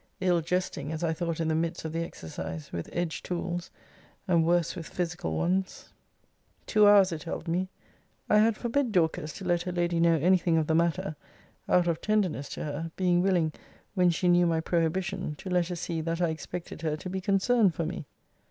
Ill jesting, as I thought in the midst of the exercise, with edge tools, and worse with physical ones. Two hours it held me. I had forbid Dorcas to let her lady know any thing of the matter; out of tenderness to her; being willing, when she knew my prohibition, to let her see that I expected her to be concerned for me.